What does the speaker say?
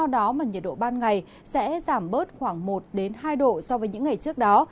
do đó nhiệt độ ban ngày sẽ giảm bớt khoảng một hai độ so với những ngày trước đó